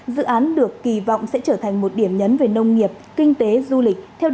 dự án được kỳ vọng sẽ trở thành một điểm nhấn về nông nghiệp kinh tế du lịch